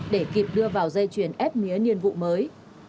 để kịp đưa vào dây chuyền ép mía niên vụ mới